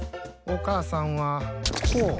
お母さんはこう。